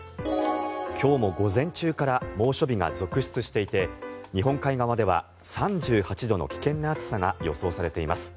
今日も午前中から猛暑日が続出していて日本海側では３８度の危険な暑さが予想されています。